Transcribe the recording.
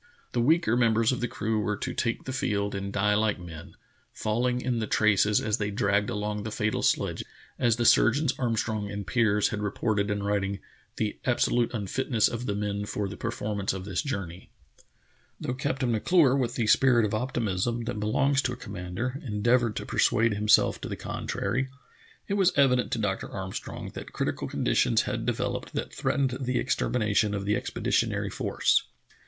The weaker members of the crew were to take the field and die like men, falling in the traces as the}^ dragged along the fatal sledge, as the surgeons Armstrong and Piers had reported in writing "the absolute unfitness of the men for the performance of this journey." Though Captain M'Clure, with the spirit of op timism that belongs to a commander, endeavored to persuade himself to the contrary, it was evident to Dr. Armstrong that critical conditions had developed that threatened the extermination of the expeditionary force.